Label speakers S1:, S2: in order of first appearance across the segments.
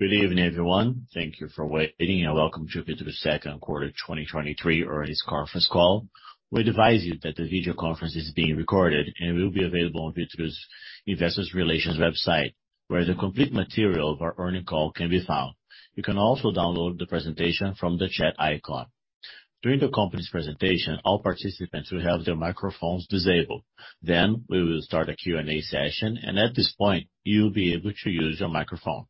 S1: Good evening, everyone. Thank you for waiting, welcome to Vitru's second quarter 2023 earnings conference call. We advise you that the video conference is being recorded and will be available on Vitru's Investors Relations website, where the complete material of our earning call can be found. You can also download the presentation from the chat icon. During the company's presentation, all participants will have their microphones disabled. We will start a Q&A session, and at this point, you'll be able to use your microphone.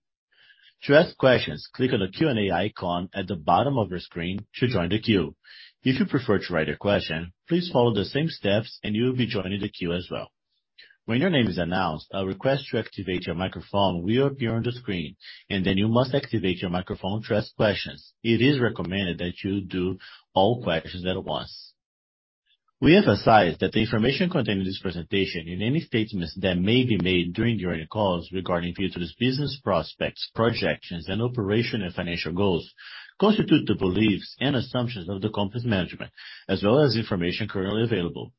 S1: To ask questions, click on the Q&A icon at the bottom of your screen to join the queue. If you prefer to write a question, please follow the same steps and you will be joining the queue as well. When your name is announced, a request to activate your microphone will appear on the screen, and then you must activate your microphone to ask questions. It is recommended that you do all questions at once. We emphasize that the information contained in this presentation, in any statements that may be made during your calls regarding Vitru's business prospects, projections, and operation and financial goals, constitute the beliefs and assumptions of the company's management, as well as information currently available.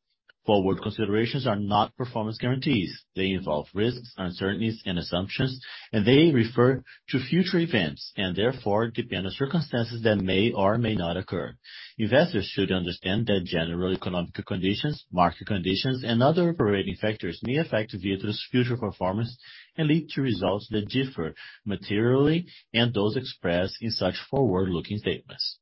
S1: Forward considerations are not performance guarantees. They involve risks, uncertainties, and assumptions, and they refer to future events, and therefore depend on circumstances that may or may not occur. Investors should understand that general economic conditions, market conditions, and other operating factors may affect Vitru's future performance and lead to results that differ materially and those expressed in such forward-looking statements.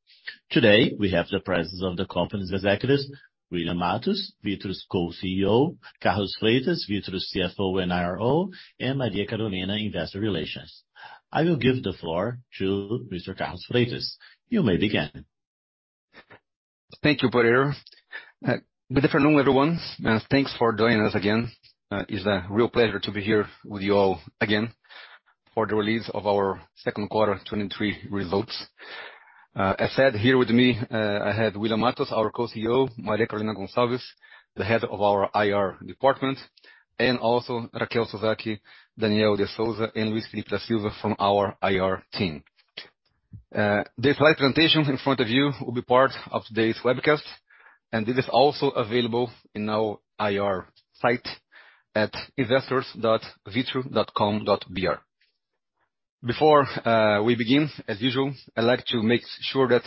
S1: Today, we have the presence of the company's executives, William Matos, Vitru's co-CEO, Carlos Freitas, Vitru's CFO and IRO, and Maria Carolina, Investor Relations. I will give the floor to Mr. Carlos Freitas. You may begin.
S2: Thank you, Porter. Good afternoon, everyone, thanks for joining us again. It's a real pleasure to be here with you all again for the release of our second quarter 2023 results. As said, here with me, I have William Matos, our Co-CEO, Maria Carolina Goncalves, the Head of our IR department, and also Raquel Sovaski, Daniel De Souza, and Luis Felipe da Silva from our IR team. The slide presentation in front of you will be part of today's webcast. It is also available in our IR site at investors.vitru.com.br. Before we begin, as usual, I'd like to make sure that,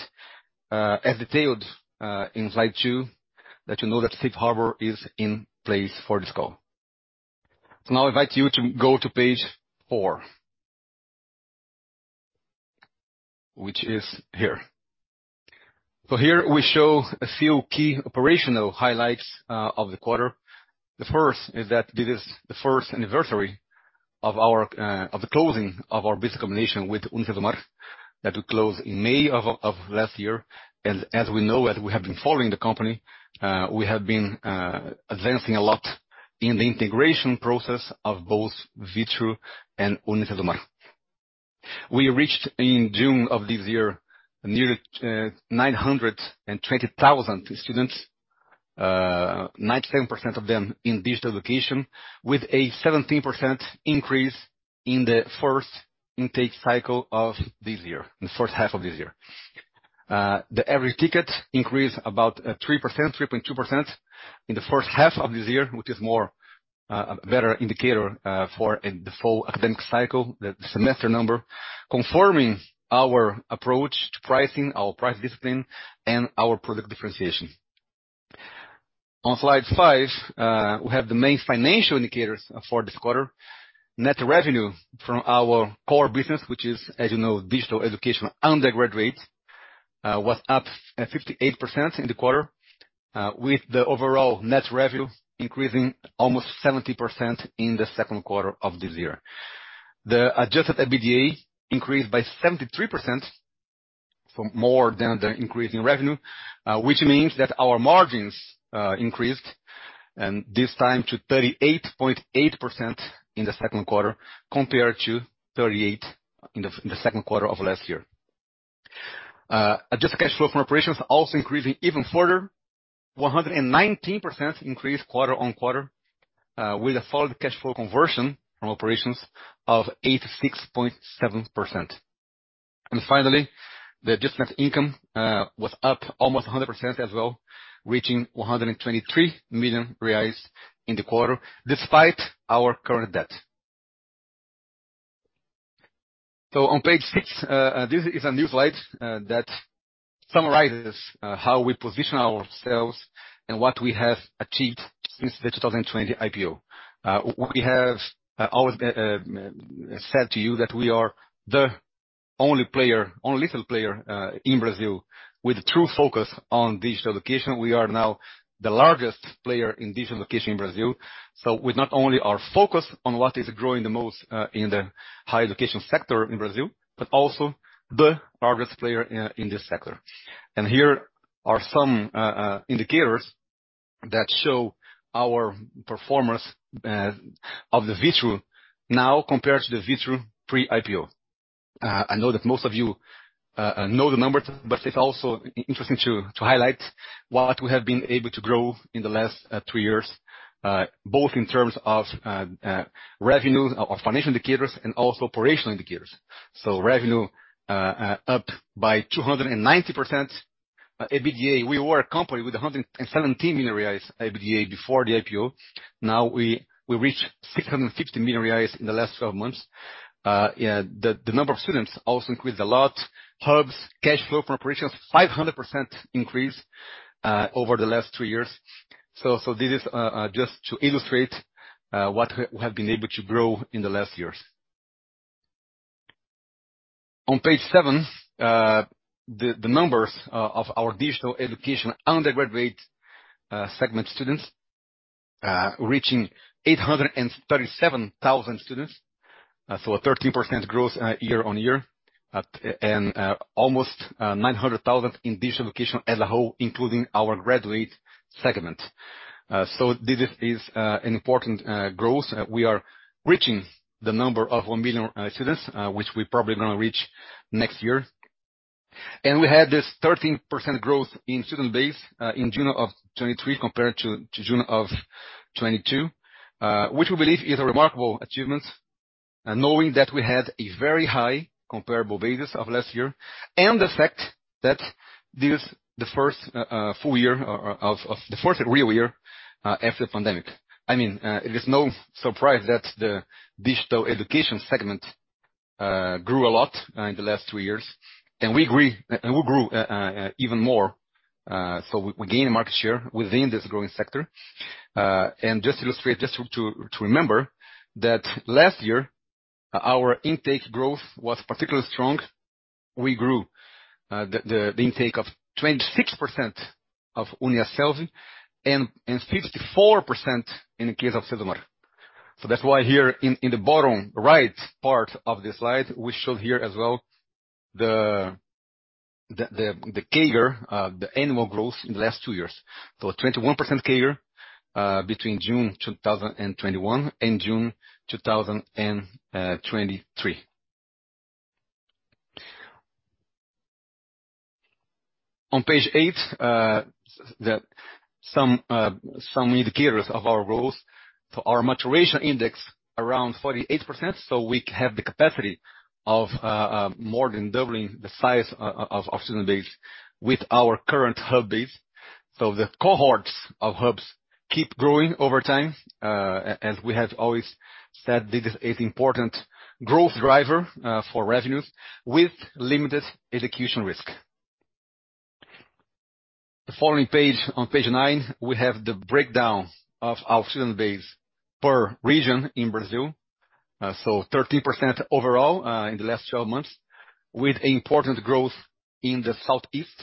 S2: as detailed in slide two, that you know, that safe harbor is in place for this call. Now I invite you to go to page four. Which is here. Here we show a few key operational highlights of the quarter. The first is that this is the first anniversary of our, of the closing of our business combination with UniCesumar, that we closed in May of last year. As we know it, we have been following the company. We have been advancing a lot in the integration process of both Vitru and UniCesumar. We reached, in June of this year, near 920,000 students, 97% of them in digital education, with a 17% increase in the first intake cycle of this year, the first half of this year. The average ticket increased about 3%, 3.2% in the first half of this year, which is more a better indicator for the full academic cycle, the semester number, confirming our approach to pricing, our price discipline, and our product differentiation. On slide five, we have the main financial indicators for this quarter. Net revenue from our core business, which is, as you know, digital education undergraduates, was up at 58% in the quarter, with the overall net revenue increasing almost 70% in the second quarter of this year. The adjusted EBITDA increased by 73% from more than the increase in revenue, which means that our margins increased, and this time to 38.8% in the second quarter, compared to 38% in the second quarter of last year. Adjusted cash flow from operations also increasing even further, 119% increase quarter on quarter, with a forward cash flow conversion from operations of 86.7%. Finally, the adjusted net income was up almost 100% as well, reaching 123 million reais in the quarter, despite our current debt. On page six, this is a new slide that summarizes how we position ourselves and what we have achieved since the 2020 IPO. We have always said to you that we are the only player, only little player, in Brazil with true focus on digital education. We are now the largest player in digital education in Brazil. With not only our focus on what is growing the most, in the higher education sector in Brazil, but also the largest player in, in this sector. Here are some indicators that show our performance of the Vitru now compared to the Vitru pre-IPO. I know that most of you know the number, but it's also interesting to highlight what we have been able to grow in the last three years, both in terms of revenues, of financial indicators, and also operational indicators. Revenue up by 290%. EBITDA, we were a company with 117 million reais EBITDA before the IPO. Now we, we reached 650 million reais in the last 12 months. Yeah, the, the number of students also increased a lot. Hubs, cash flow from operations, 500% increase over the last two years. This is just to illustrate what we have been able to grow in the last years. On page seven, the, the numbers of our digital education undergraduate segment students reaching 837,000 students. A 13% growth year-on-year, at- and almost 900,000 in digital education as a whole, including our graduate segment. This is an important growth. We are reaching the number of 1 million students, which we're probably gonna reach next year. We had this 13% growth in student base in June of 2023, compared to June of 2022, which we believe is a remarkable achievement, knowing that we had a very high comparable basis of last year, and the fact that this is the first full year, of the fourth real year, after the pandemic. I mean, it is no surprise that the digital education segment grew a lot in the last two years, and we agree- and we grew even more. So we gained market share within this growing sector. Just to illustrate, just to remember, that last year, our intake growth was particularly strong. We grew the intake of 26% of UNIASSELVI, and 54% in the case of UniCesumar. That's why here in, in the bottom right part of this slide, we show here as well, the, the, the, the CAGR, the annual growth in the last two years. A 21% CAGR between June 2021 and June 2023. On page eight, some indicators of our growth. Our maturation index, around 48%, so we have the capacity of more than doubling the size of student base with our current hub base. The cohorts of hubs keep growing over time. As we have always said, this is a important growth driver for revenues with limited execution risk. The following page, on page nine, we have the breakdown of our student base per region in Brazil. 13% overall in the last 12 months, with important growth in the southeast,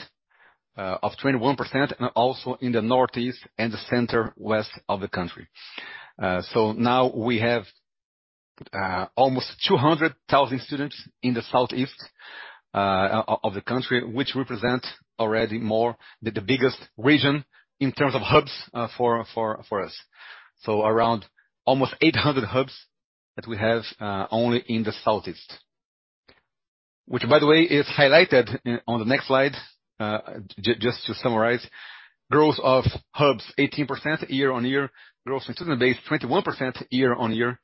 S2: of 21%, Also in the northeast and the Center-West of the country. Now we have almost 200,000 students in the southeast of the country, which represent already more than the biggest region in terms of hubs for us. Around almost 800 hubs that we have only in the southeast. Which, by the way, is highlighted on the next slide. Just to summarize, growth of hubs, 18% year-over-year, growth in student base, 21% year-over-year,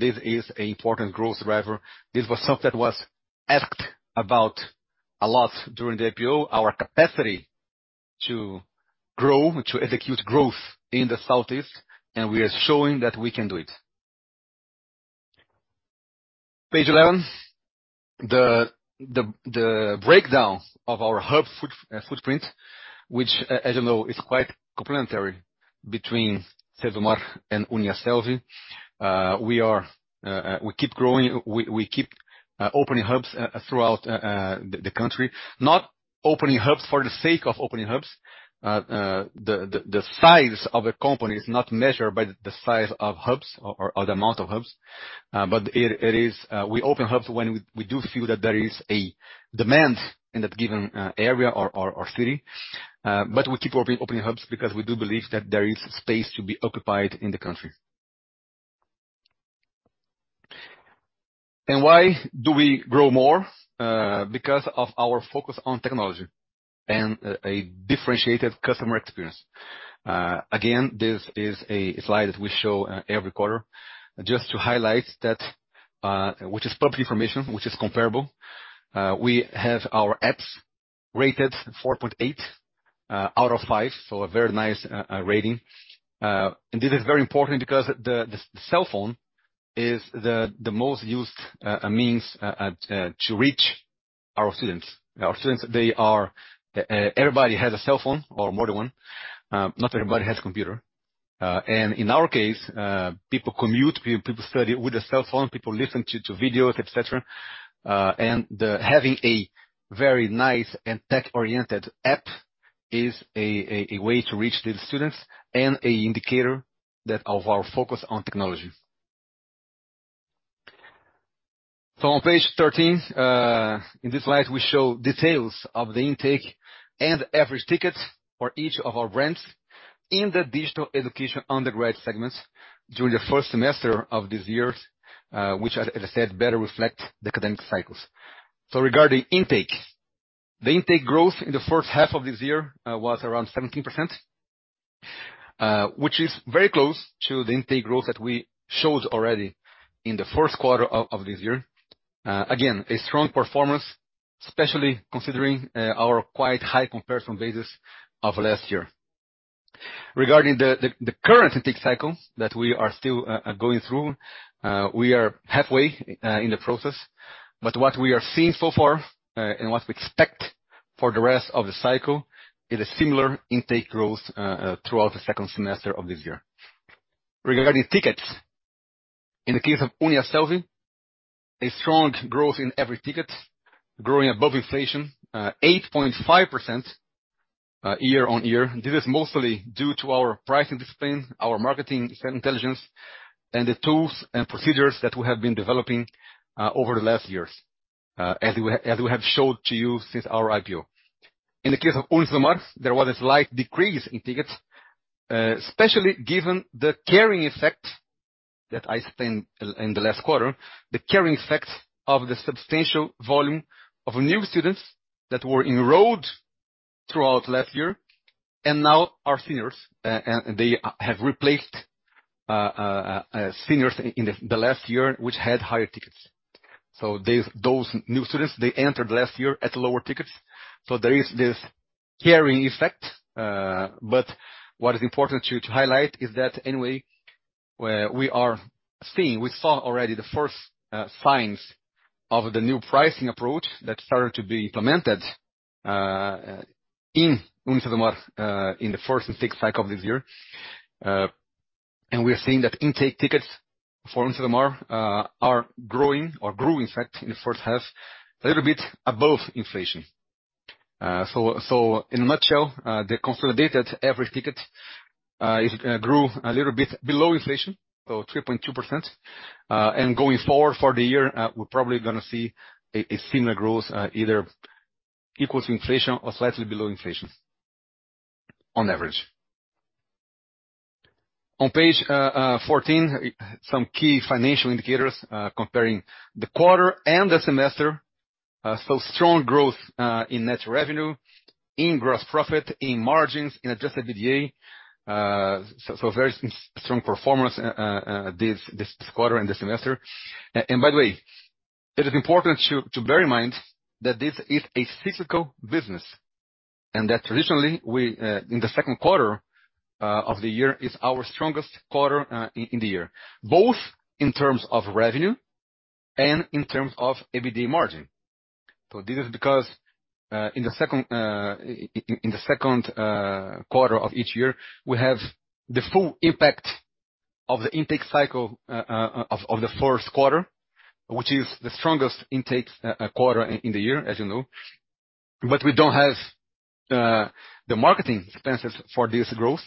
S2: this is an important growth driver. This was something that was asked about a lot during the IPO, our capacity to grow, to execute growth in the Southeast, and we are showing that we can do it. Page 11. The breakdown of our hub footprint, which as you know, is quite complementary between UniCesumar and UNIASSELVI. We keep growing. We keep opening hubs throughout the country. Not opening hubs for the sake of opening hubs. The size of a company is not measured by the size of hubs or the amount of hubs, but we open hubs when we do feel that there is a demand in that given area or city. We keep opening, opening hubs because we do believe that there is space to be occupied in the country. Why do we grow more? Because of our focus on technology and a differentiated customer experience. Again, this is a slide that we show every quarter, just to highlight that, which is public information, which is comparable. We have our apps rated 4.8 out of 5, so a very nice rating. This is very important because the cell phone is the most used means to reach our students. Our students, they are, everybody has a cell phone or more than one. Not everybody has a computer. In our case, people commute, people study with a cell phone, people listen to videos, et cetera. Having a very nice and tech-oriented app is a way to reach these students and a indicator that of our focus on technology. On page 13, in this slide, we show details of the intake and average tickets for each of our brands in the digital education undergrad segments during the first semester of this year, which, as I said, better reflect the academic cycles. Regarding intake, the intake growth in the first half of this year, was around 17%. Which is very close to the intake growth that we showed already in the first quarter of this year. Again, a strong performance, especially considering our quite high comparison basis of last year. Regarding the, the, the current intake cycle that we are still going through, we are halfway in the process. What we are seeing so far, and what we expect for the rest of the cycle, is a similar intake growth throughout the 2nd semester of this year. Regarding tickets, in the case of UNIASSELVI, a strong growth in every ticket, growing above inflation, 8.5% year-on-year. This is mostly due to our pricing discipline, our marketing intelligence, and the tools and procedures that we have been developing over the last years, as we, as we have showed to you since our IPO. In the case of UniCesumar, there was a slight decrease in tickets, especially given the carrying effect that I explained in the last quarter. The carrying effect of the substantial volume of new students that were enrolled throughout last year, and now are seniors, and, and they have replaced seniors in the, the last year, which had higher tickets. These- those new students, they entered last year at lower tickets, so there is this carrying effect. But what is important to, to highlight is that anyway, we are seeing-- we saw already the first signs of the new pricing approach that started to be implemented in UniCesumar in the first and second cycle of this year. And we are seeing that intake tickets for UniCesumar are growing, or grew, in fact, in the first half, a little bit above inflation. In a nutshell, the consolidated average ticket, it grew a little bit below inflation, 3.2%. Going forward for the year, we're probably gonna see a similar growth, either equal to inflation or slightly below inflation, on average. On page 14, some key financial indicators, comparing the quarter and the semester. Strong growth in net revenue, in gross profit, in margins, in adjusted EBITDA. Very strong performance this quarter and this semester. By the way, it is important to bear in mind that this is a cyclical business, and that traditionally, we in the second quarter of the year, is our strongest quarter in the year, both in terms of revenue and in terms of EBITDA margin. This is because in the second in the second quarter of each year, we have the full impact of the intake cycle of the first quarter, which is the strongest intake quarter in the year, as you know, but we don't have the marketing expenses for this growth.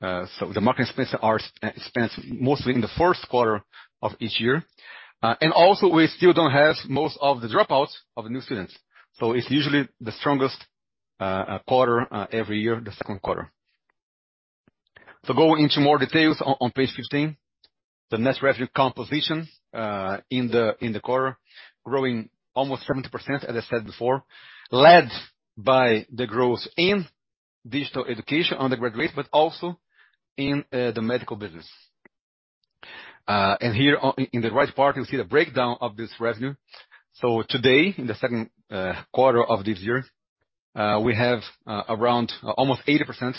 S2: The marketing expenses are expensive mostly in the first quarter of each year. Also, we still don't have most of the dropouts of the new students. It's usually the strongest quarter every year, the 2nd quarter. Going into more details on page 15, the net revenue composition in the quarter, growing almost 70%, as I said before, led by the growth in digital education, undergraduate, but also in the medical business. Here in the right part, you can see the breakdown of this revenue. Today, in the 2nd quarter of this year, we have around almost 80%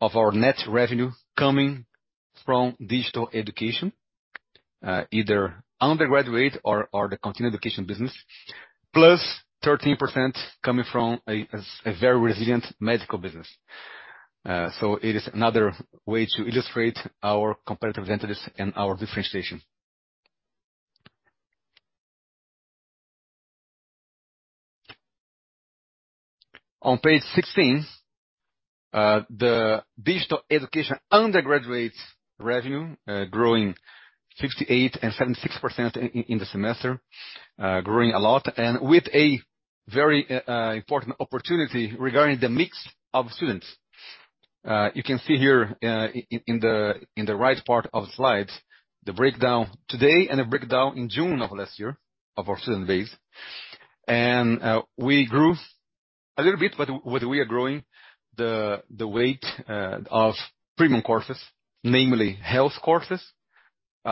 S2: of our net revenue coming from digital education, either undergraduate or the continued education business, plus 13% coming from a very resilient medical business. It is another way to illustrate our competitive advantage and our differentiation. On page 16, the digital education undergraduate revenue, growing 58% and 76% in the semester, growing a lot, and with a very important opportunity regarding the mix of students. You can see here, in the right part of the slide, the breakdown today and the breakdown in June of last year, of our student base. We grew a little bit, but what we are growing, the weight of premium courses, namely health courses,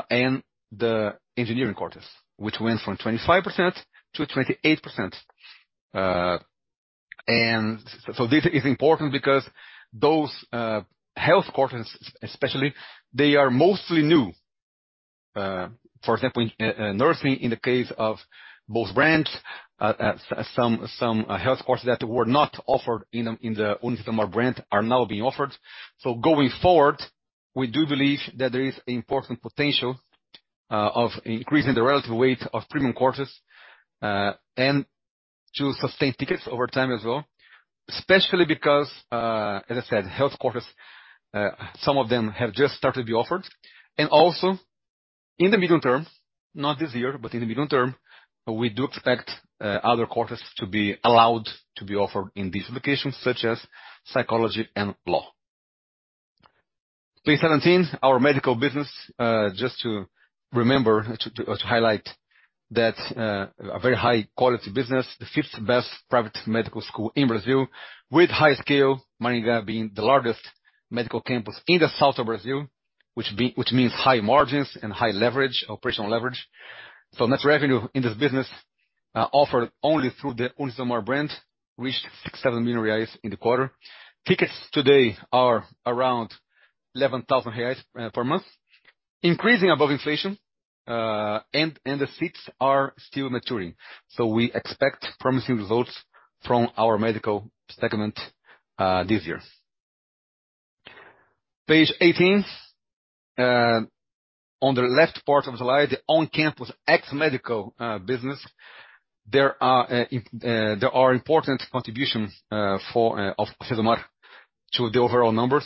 S2: and the engineering courses, which went from 25% to 28%. This is important because those health courses especially, they are mostly new. For example, nursing, in the case of both brands, some health courses that were not offered in the UniCesumar brand are now being offered. Going forward, we do believe that there is important potential of increasing the relative weight of premium courses, and to sustain tickets over time as well, especially because, as I said, health courses, some of them have just started to be offered, and also in the medium term, not this year, but in the medium term, we do expect other courses to be allowed to be offered in these locations, such as psychology and law. Page 17, our medical business, just to remember, to, to highlight that, a very high quality business, the fifth best private medical school in Brazil, with high scale, Maringá being the largest medical campus in the south of Brazil, which means high margins and high leverage, operational leverage. Net revenue in this business, offered only through the UniCesumar brand, reached 67 million reais in the quarter. Tickets today are around 11,000 reais per month, increasing above inflation, and the seats are still maturing. We expect promising results from our medical segment this year. Page 18. On the left part of the slide, the on-campus ex-medical business, there are important contributions for of UniCesumar to the overall numbers,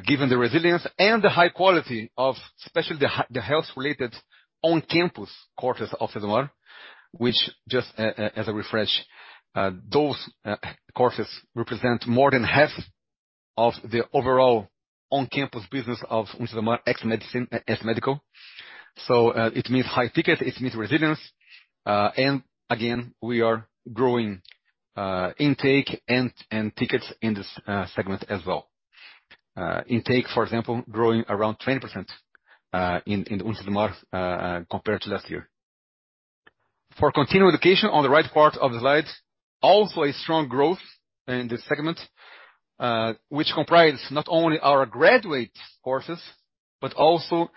S2: given the resilience and the high quality of especially the health-related on-campus courses of UniCesumar. Which just, as a refresh, those courses represent more than half of the overall on-campus business of UniCesumar ex-medicine, ex-medical. It means high ticket, it means resilience, and again, we are growing intake and tickets in this segment as well. Intake, for example, growing around 20% in UniCesumar compared to last year. For continuing education, on the right part of the slide, also a strong growth in this segment, which comprise not only our graduates courses, but also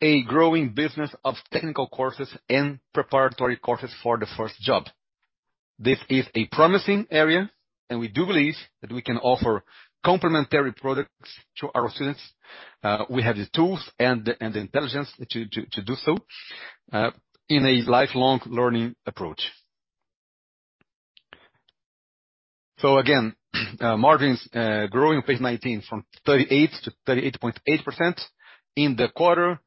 S2: a growing business of technical courses and preparatory courses for the first job. This is a promising area, and we do believe that we can offer complementary products to our students. We have the tools and the intelligence to do so in a lifelong learning approach. Again, margins growing page 19 from 38% to 38.8% in the quarter.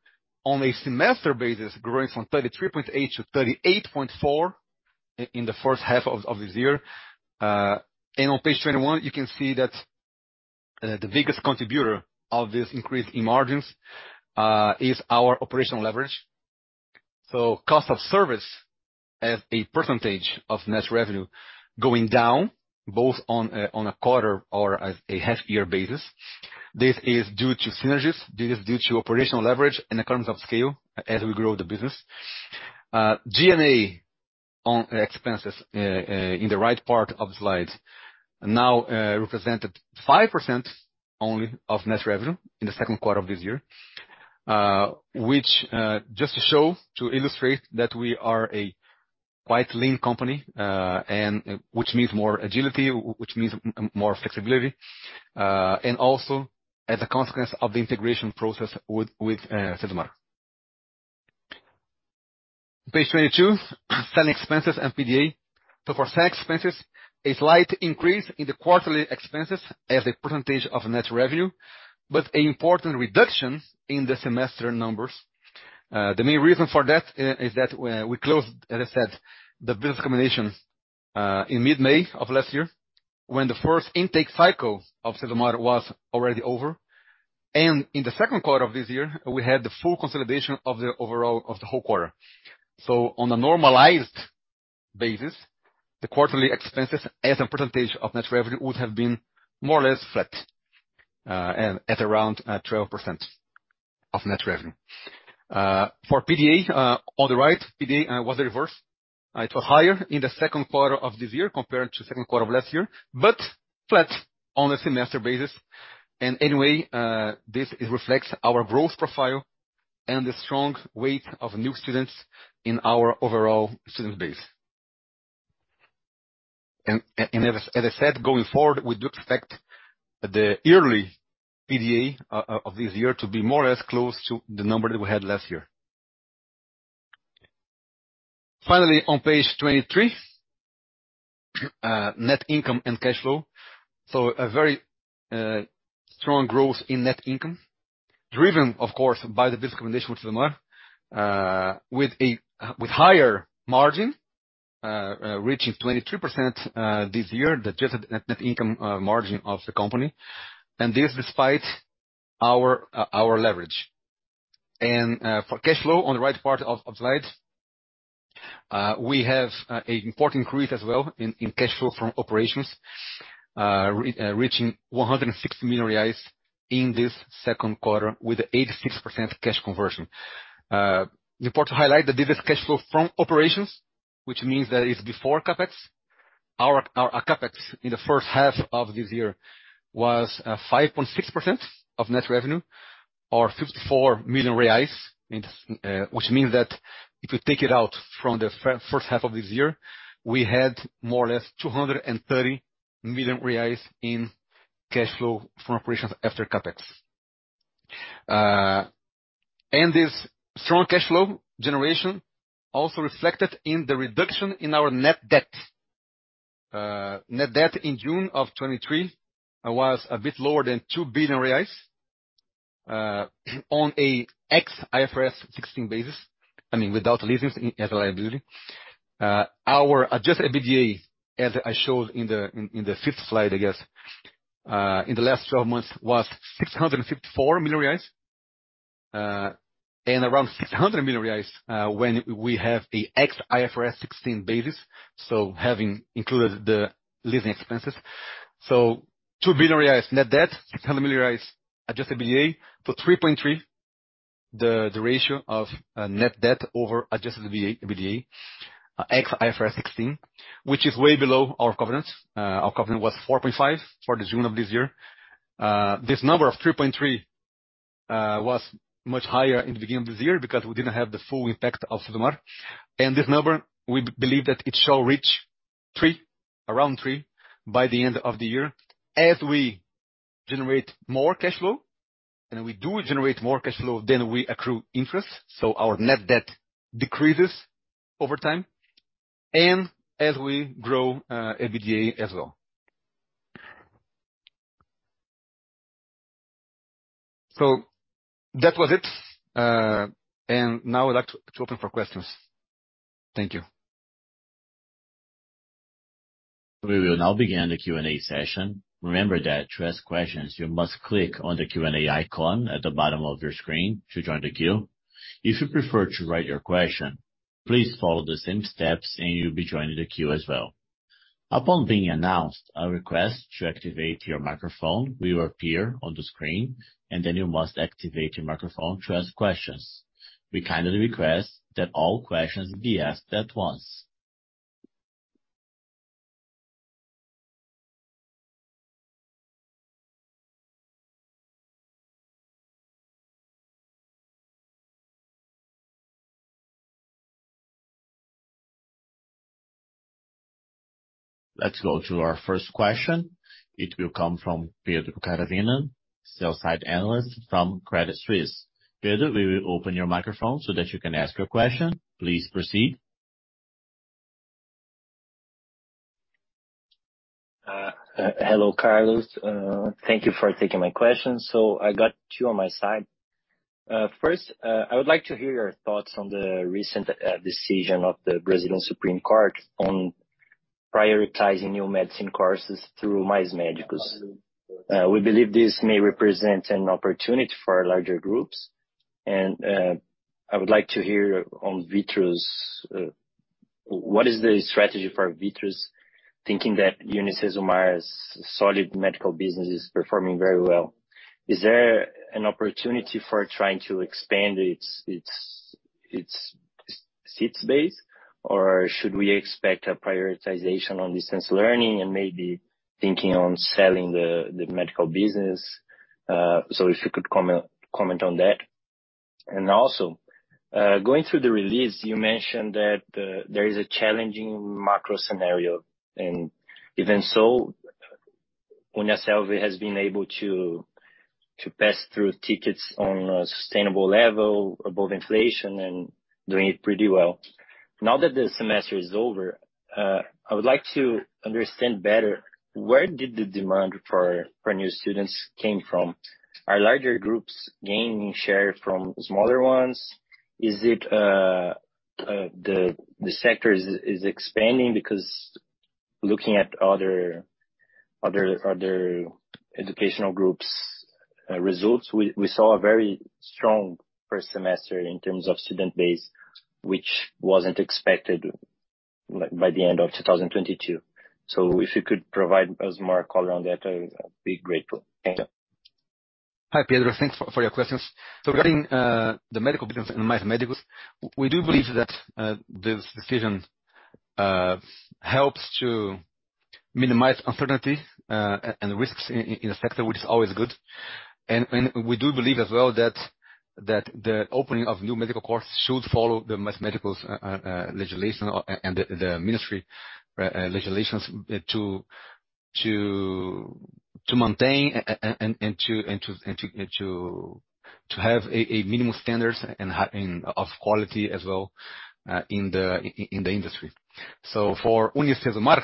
S2: On a semester basis, growing from 33.8 to 38.4 in the first half of this year. On page 21, you can see that the biggest contributor of this increase in margins is our operational leverage. Cost of service as a percentage of net revenue going down, both on a quarter or a half year basis. This is due to synergies, this is due to operational leverage and economies of scale as we grow the business. G&A on expenses, in the right part of the slide, now, represented 5% only of net revenue in the second quarter of this year. Which, just to show, to illustrate, that we are a quite lean company, and which means more agility, which means more flexibility, and also as a consequence of the integration process with, with, UniCesumar. Page 22, selling expenses and PDA. For selling expenses, a slight increase in the quarterly expenses as a percentage of net revenue, but an important reduction in the semester numbers. The main reason for that is that we closed, as I said, the business combination, in mid-May of last year, when the first intake cycle of UniCesumar was already over. In the second quarter of this year, we had the full consolidation of the overall- of the whole quarter. On a normalized basis, the quarterly expenses as a percentage of net revenue, would have been more or less flat, at, at around, 12% of net revenue. For PDA, on the right, PDA, was the reverse. It was higher in the second quarter of this year compared to second quarter of last year, but flat on a semester basis. Anyway, this reflects our growth profile and the strong weight of new students in our overall student base. As, as I said, going forward, we do expect the yearly PDA of this year to be more or less close to the number that we had last year. Finally, on page 23, net income and cash flow. A very strong growth in net income, driven, of course, by the business combination with UniCesumar, with a higher margin, reaching 22% this year, the adjusted net, net income, margin of the company, and this despite our leverage. For cash flow, on the right part of, of the slide, we have an important increase as well in cash flow from operations, reaching 160 million reais in this second quarter with 86% cash conversion. Important to highlight that this is cash flow from operations, which means that it's before CapEx. Our, our CapEx in the first half of this year was 5.6% of net revenue or 54 million reais, which means that if you take it out from the first half of this year, we had more or less 230 million reais in cash flow from operations after CapEx. This strong cash flow generation also reflected in the reduction in our net debt. Net debt in June of 2023 was a bit lower than 2 billion reais on an ex-IFRS 16 basis. I mean, without leases in, as a liability. Our adjusted EBITDA, as I showed in the, in, in the fifth slide, I guess, in the last 12 months, was 654 million reais, and around 600 million reais, when we have the ex-IFRS 16 basis, so having included the leasing expenses. 2 billion reais net debt, 600 million reais adjusted EBITDA. 3.3, the, the ratio of net debt over adjusted EBITDA, ex-IFRS 16, which is way below our covenants. Our covenant was 4.5 for the June of this year. This number of 3.3 was much higher in the beginning of this year because we didn't have the full impact of UniCesumar. This number, we believe that it shall reach 3, around 3 by the end of the year, as we generate more cash flow, and we do generate more cash flow than we accrue interest, so our net debt decreases over time, and as we grow, EBITDA as well. That was it. Now I'd like to open for questions. Thank you.
S1: We will now begin the Q&A session. Remember that to ask questions, you must click on the Q&A icon at the bottom of your screen to join the queue. If you prefer to write your question, please follow the same steps, and you'll be joining the queue as well. Upon being announced, a request to activate your microphone will appear on the screen, and then you must activate your microphone to ask questions. We kindly request that all questions be asked at once. Let's go to our first question. It will come from Pedro Caravina, sell-side analyst from Credit Suisse. Pedro, we will open your microphone so that you can ask your question. Please proceed.
S3: Hello, Carlos. Thank you for taking my question. I got two on my side. First, I would like to hear your thoughts on the recent decision of the Brazilian Supreme Court on prioritizing new medicine courses through Mais Médicos. We believe this may represent an opportunity for larger groups, and I would like to hear on Vitru's, what is the strategy for Vitru's, thinking that UniCesumar's solid medical business is performing very well? Is there an opportunity for trying to expand its, its, its seats base, or should we expect a prioritization on distance learning and maybe thinking on selling the, the medical business? If you could comment, comment on that. Also, going through the release, you mentioned that there is a challenging macro scenario, and even so, UNIASSELVI has been able to, to pass through tickets on a sustainable level above inflation and doing it pretty well. Now that the semester is over, I would like to understand better, where did the demand for, for new students came from? Are larger groups gaining share from smaller ones? Is it, the, the sector is, is expanding? Because looking at other, other, other educational groups, results, we, we saw a very strong first semester in terms of student base, which wasn't expected by, by the end of 2022. If you could provide us more color on that, I would be grateful. Thank you.
S2: Hi, Pedro. Thanks for, for your questions. Regarding the medical business in Mais Médicos, we do believe that this decision helps to minimize uncertainty and risks in the sector, which is always good. We do believe as well that the opening of new medical courses should follow the Mais Médicos legislation o- and the ministry legislations to, to, to maintain a-a-and, and to, and to, and to, to have a minimum standards and high-- in, of quality as well in the industry. For UniCesumar,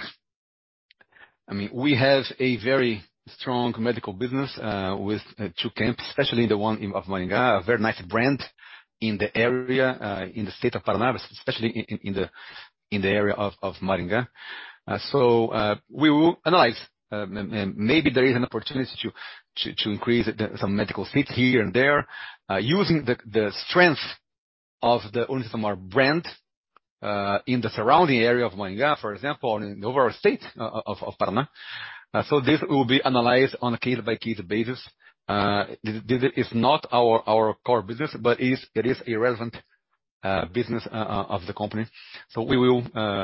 S2: I mean, we have a very strong medical business with two camps, especially the one in, of Maringá, a very nice brand in the area, in the state of Paraná, but especially in, in the, in the area of, of Maringá. We will analyze, maybe there is an opportunity to increase the some medical seats here and there, using the strength of the UniCesumar brand, in the surrounding area of Maringá, for example, in the overall state of Paraná. This will be analyzed on a case-by-case basis. This, this is not our, our core business, but it is a relevant business of the company, so we will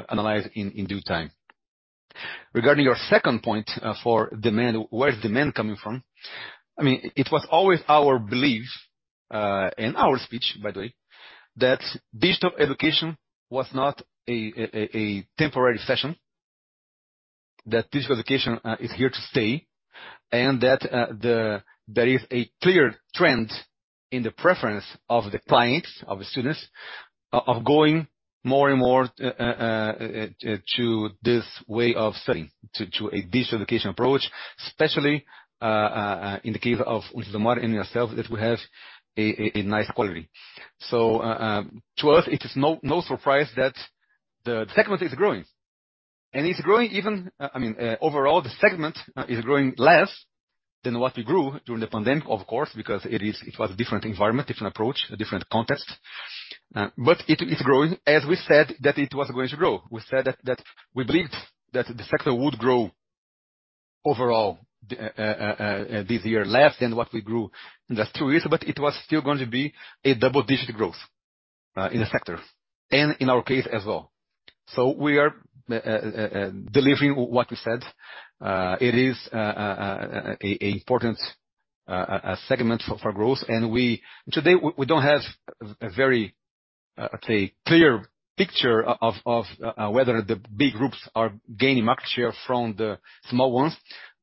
S2: analyze in due time. Regarding your second point, for demand, where is demand coming from? I mean, it was always our belief, and our speech, by the way, that digital education was not a temporary session, that digital education is here to stay, and that there is a clear trend in the preference of the clients, of the students, of going more and more to this way of studying, to a digital education approach, especially in the case of UniCesumar and UNIASSELVI, that we have a nice quality. To us, it is no surprise that the segment is growing. It's growing even, I mean, overall, the segment is growing less than what we grew during the pandemic, of course, because it was a different environment, different approach, a different context. It's growing, as we said, that it was going to grow. We said that we believed that the sector would grow overall this year, less than what we grew in the last two years, but it was still going to be a double-digit growth in the sector, and in our case as well. We are delivering what we said. It is an important segment for growth, and today, we don't have a very, let's say, clear picture of whether the big groups are gaining market share from the small ones,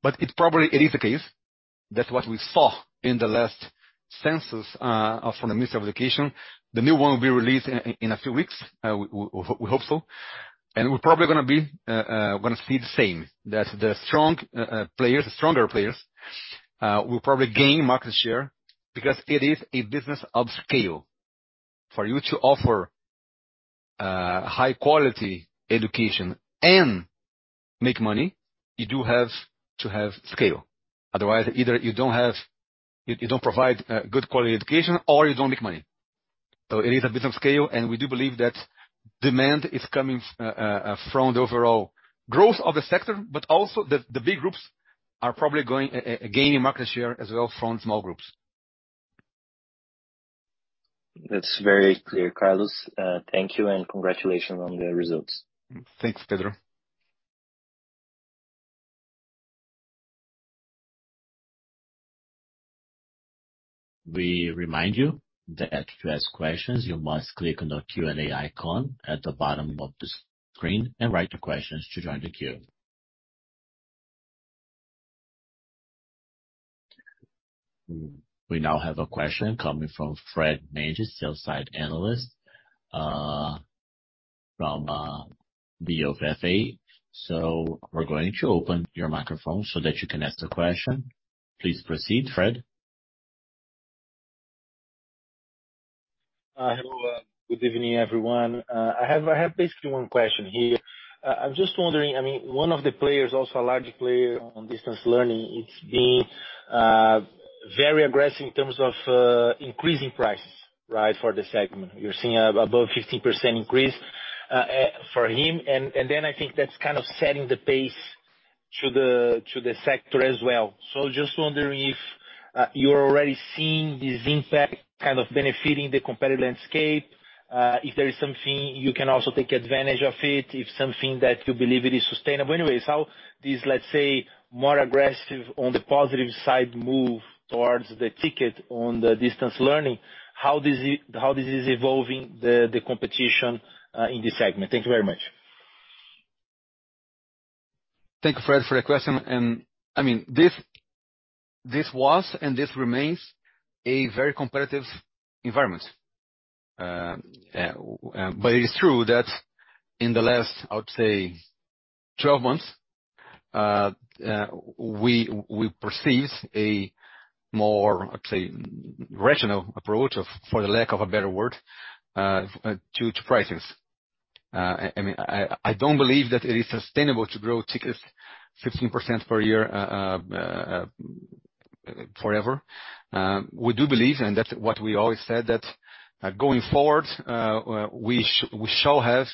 S2: but it probably is the case. That's what we saw in the last census from the Ministry of Education. The new one will be released in a few weeks. We hope so, and we're probably gonna see the same, that the strong players, stronger players, will probably gain market share because it is a business of scale. For you to offer high-quality education and make money, you do have to have scale. Otherwise, either you don't have... you don't provide good quality education or you don't make money. It is a business of scale, and we do believe that demand is coming from the overall growth of the sector, but also, the, the big groups are probably going gaining market share as well from small groups.
S3: That's very clear, Carlos. Thank you and congratulations on the results.
S2: Thanks, Pedro.
S1: We remind you that to ask questions, you must click on the Q&A icon at the bottom of the screen and write your questions to join the queue. We now have a question coming from Fred Mendes, sell-side analyst, from BOFA. We're going to open your microphone so that you can ask the question. Please proceed, Fred.
S4: Hello, good evening, everyone. I have, I have basically one question here. I'm just wondering, I mean, one of the players, also a large player on distance learning, it's been very aggressive in terms of increasing prices, right, for the segment. You're seeing an above 15% increase for him, and then I think that's kind of setting the pace to the sector as well. So just wondering if you're already seeing this impact kind of benefiting the competitive landscape, if there is something you can also take advantage of it, if something that you believe it is sustainable. Anyways, how this, let's say, more aggressive on the positive side, move towards the ticket on the distance learning, how this is-- how this is evolving the competition in this segment? Thank you very much.
S2: Thank you, Fred, for the question. I mean, this, this was and this remains a very competitive environment. It is true that in the last, I would say, 12 months, we perceive a more, let's say, rational approach of, for the lack of a better word, to prices. I mean, I don't believe that it is sustainable to grow tickets 15% per year forever. We do believe, and that's what we always said, that, going forward, we shall have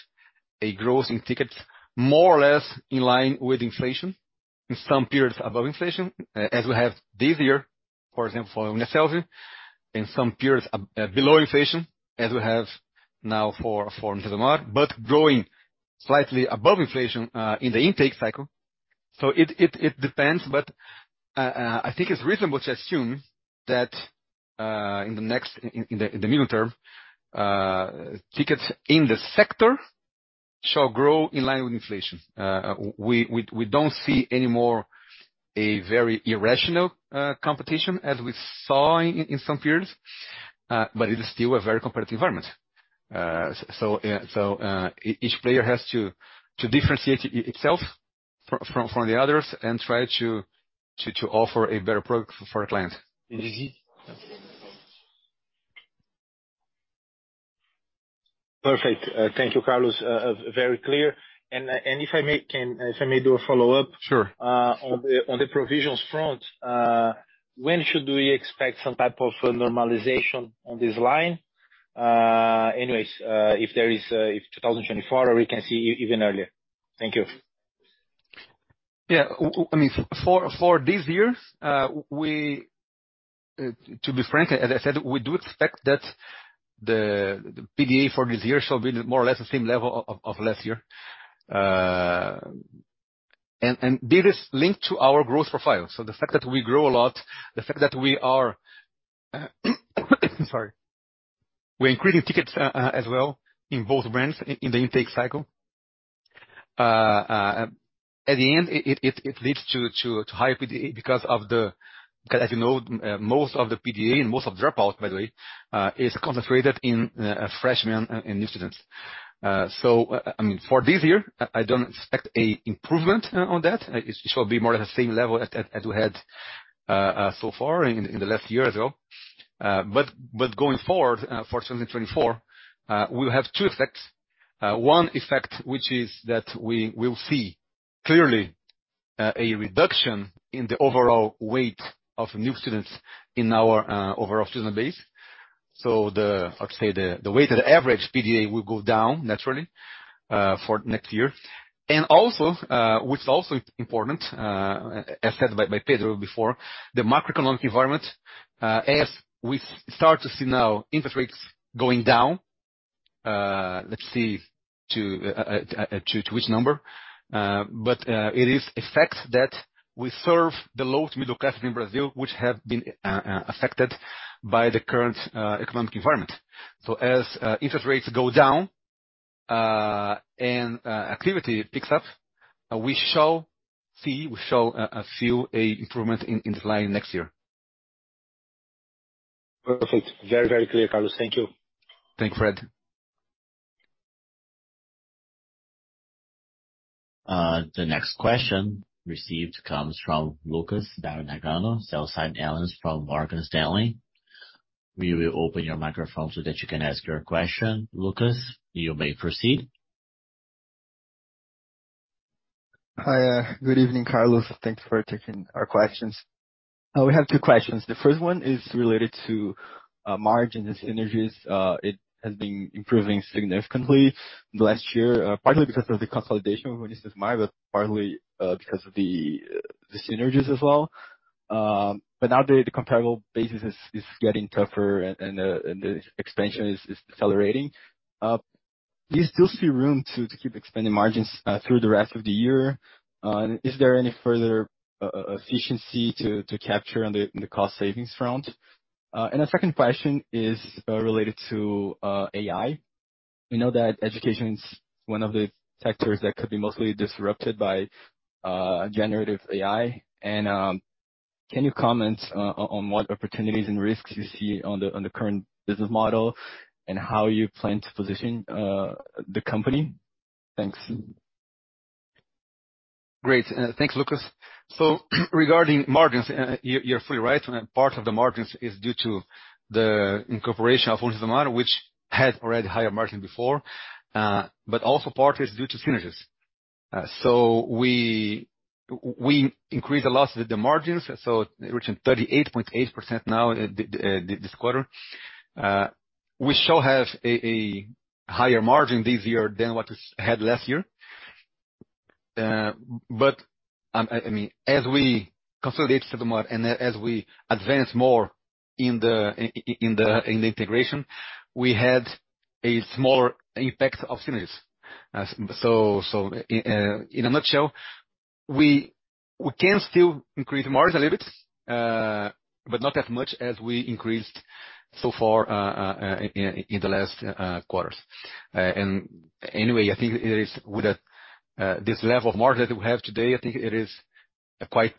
S2: a growth in tickets, more or less in line with inflation, in some periods above inflation, as we have this year, for example, in UNIASSELVI, in some periods below inflation, as we have now for, for UniCesumar, but growing slightly above inflation, in the intake cycle. It, it, it depends, but I think it's reasonable to assume that, in the next, in the, in the medium term, tickets in the sector shall grow in line with inflation. We, we, we don't see any more a very irrational competition as we saw in, in some periods, but it is still a very competitive environment. Each player has to, to differentiate itself from, from the others, and try to, to, to offer a better product for the client.
S4: Perfect. thank you, Carlos. very clear. and if I may, If I may do a follow-up?
S2: Sure.
S4: On the, on the provisions front, when should we expect some type of normalization on this line? Anyways, if there is, if 2024, or we can see even earlier. Thank you.
S2: Yeah, I mean, for this year, we, to be frank, as I said, we do expect that the PDA for this year shall be more or less the same level of last year. This is linked to our growth profile. The fact that we grow a lot, the fact that we are, sorry, we're increasing tickets as well in both brands in the intake cycle. At the end, it leads to higher PDA 'cause as you know, most of the PDA and most of dropout, by the way, is concentrated in freshmen and new students. I mean, for this year, I don't expect a improvement on that. It should be more of the same level as, as, as we had so far in, in the last year as well. But going forward, for 2024, we'll have two effects. One effect, which is that we will see clearly a reduction in the overall weight of new students in our overall student base. So the... I would say, the, the weighted average PDA will go down naturally for next year. Also, which is also important, as said by, by Pedro before, the macroeconomic environment, as we start to see now interest rates going down, let's see to which number. But it is a fact that we serve the low to middle class in Brazil, which have been affected by the current economic environment. As interest rates go down, and activity picks up, we shall see, we shall feel a improvement in, in the line next year.
S4: Perfect. Very, very clear, Carlos. Thank you.
S2: Thanks, Fred.
S5: The next question received comes from Lucas Dai Nagano, sell-side analyst from Morgan Stanley. We will open your microphone so that you can ask your question, Lucas. You may proceed.
S6: Hi, good evening, Carlos. Thanks for taking our questions. We have two questions. The first one is related to margin synergies. It has been improving significantly last year, partly because of the consolidation with UniCesumar, but partly because of the, the synergies as well. But now the, the comparable basis is, is getting tougher and, and the expansion is, is decelerating. Do you still see room to, to keep expanding margins through the rest of the year? And is there any further efficiency to, to capture on the, the cost savings front? And the second question is related to AI. We know that education is one of the sectors that could be mostly disrupted by generative AI. Can you comment on, on what opportunities and risks you see on the, on the current business model, and how you plan to position the company? Thanks.
S2: Great. Thanks, Lucas. Regarding margins, you're fully right. Part of the margins is due to the incorporation of UniCesumar, which had already higher margin before, but also part is due to synergies. We increase the loss with the margins, so reaching 38.8% now, this quarter. We still have a higher margin this year than what we had last year. I mean, as we consolidate UniCesumar, as we advance more in the integration, we had a smaller impact of synergies. In a nutshell, we can still increase margins a little bit, but not as much as we increased so far, in the last quarters. Anyway, I think it is with a this level of margin that we have today, I think it is quite,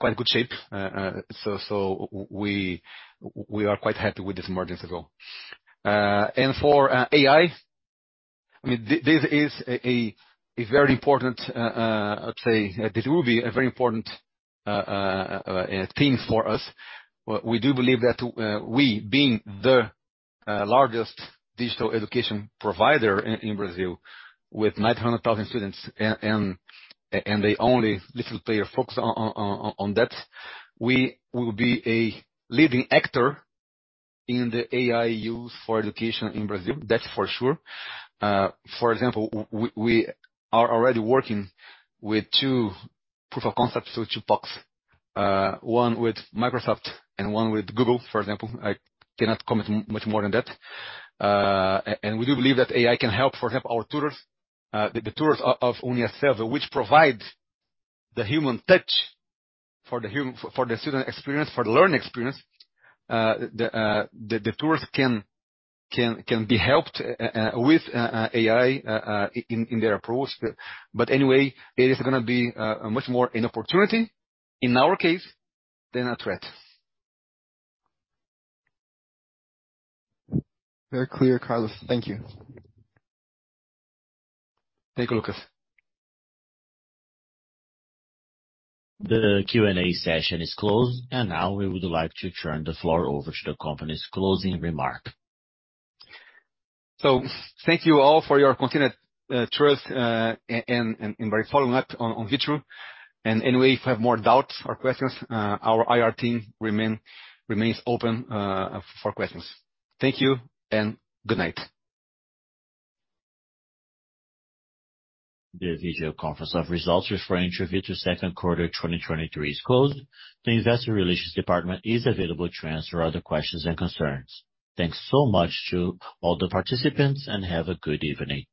S2: quite good shape. So we, we are quite happy with these margins as well. For AI, I mean, th- this is a, a very important, I'd say, this will be a very important thing for us. We, we do believe that we, being the largest digital education provider in Brazil with 900,000 students, a- and, and the only little player focused o- o- on, on that, we will be a leading actor in the AI use for education in Brazil. That's for sure. For example, w- we, we are already working with 2 proof of concepts, so 2 PoCs. One with Microsoft and one with Google, for example. I cannot comment much more than that. We do believe that AI can help, perhaps, our tutors, the tutors of UNIASSELVI, which provide the human touch for the student experience, for the learning experience. The tutors can be helped with AI in their approach. Anyway, it is gonna be much more an opportunity in our case than a threat.
S6: Very clear, Carlos. Thank you.
S2: Thank you, Lucas.
S1: The Q&A session is closed. Now we would like to turn the floor over to the company's closing remark.
S2: Thank you all for your continued trust, and by following up on, on Vitru. Anyway, if you have more doubts or questions, our IR team remains open for questions. Thank you and good night.
S1: The video conference of results referring to Vitru's second quarter, 2023 is closed. The investor relations department is available to answer other questions and concerns. Thanks so much to all the participants, and have a good evening.